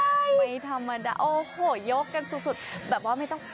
ไม่ธรรมดาโอ้โหยกกันสุดแบบว่าไม่ต้อง